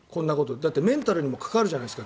だってメンタルにも関わるじゃないですか。